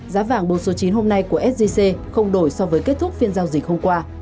giá vàng bốn số chín hôm nay của sgc không đổi so với kết thúc phiên giao dịch hôm qua